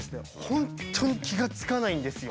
本当に気が付かないんですよ。